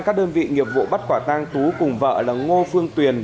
các đơn vị nghiệp vụ bắt quả tang tú cùng vợ là ngô phương tuyền